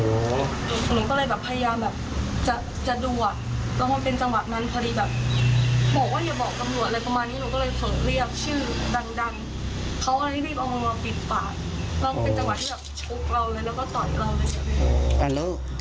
หนูก็เลยพยายามจะดวนเป็นจังหวะนั้นพอดีแบบเราก็หยุดเดี๋ยวบอกกำลัวเลยก็เลยเคยเรียกชื่อดังเขาเลยเรียบเอามาปิดปาก